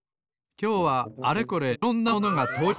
きょうはあれこれいろんなものがとおります